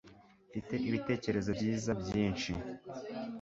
Mfite ibitekerezo byiza byinshi